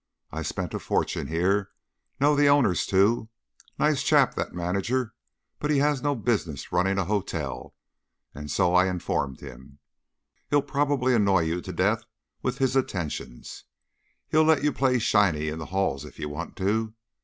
I've spent a fortune here; know the owners, too. Nice chap, that manager, but he has no business running a hotel, and I so informed him. He'll probably annoy you to death with his attentions. He'll let you play 'shinny' in the halls if you want to.